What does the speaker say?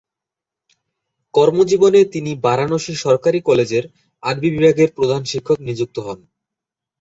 কর্মজীবনে তিনি বারাণসীর সরকারি কলেজের আরবি বিভাগের প্রধান শিক্ষক নিযুক্ত হন।